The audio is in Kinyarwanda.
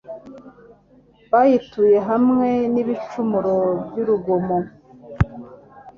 bayituye hamwe n’ibicumuro by’urugomo